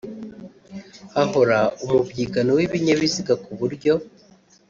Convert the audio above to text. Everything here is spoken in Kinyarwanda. hahora umubyigano w’ibinyabiziga ku buryo